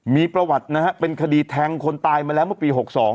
มีประวัตินะฮะเป็นคดีแทงคนตายมาแล้วเมื่อปี๖๒